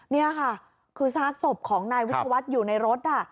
นี่ค่ะคือซากศพของนายวิทยาวัฒน์อยู่ในรถ